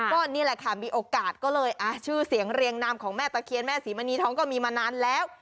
ก็นี่แหละค่ะมีโอกาสก็เลยชื่อเสียงเรียงนามของแม่ตะเคียนแม่ศรีมณีท้องก็มีมานานแล้ว